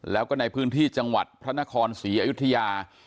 แล้วก็ในพื้นที่จังหวัดพระนครศรีอยุธยา